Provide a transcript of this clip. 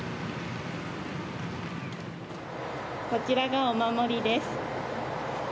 こちらがお守りです。